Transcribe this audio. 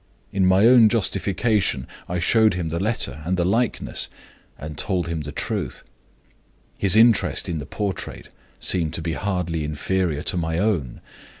In my own justification, I showed him the letter and the likeness, and told him the truth. His interest in the portrait seemed to be hardly inferior to my own.